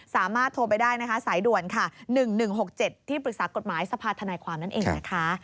สามารถโทรไปได้นะค่ะแสดวร๑๑๖๗ที่ปรึกษากฎหมายสภาษณาความนั่นเอง